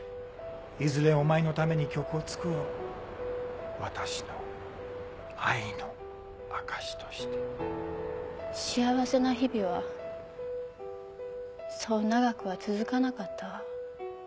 いずれお前のために曲を作ろう私の愛の証しとして幸せな日々はそう長くは続かなかったわ。